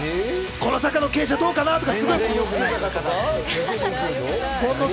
この坂の傾斜どうかな？とか？